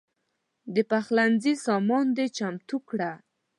د پخلنځي سامان دې چمتو کړه.